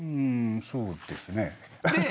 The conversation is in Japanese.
そうですね。